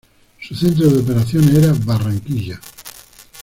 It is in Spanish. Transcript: Su centro de operaciones era Barranquilla.